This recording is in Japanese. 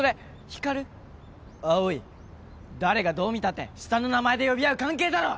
光琉葵誰がどう見たって下の名前で呼び合う関係だろ！